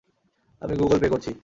আমি Google Pay করছি।